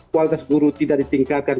kualitas guru tidak ditingkatkan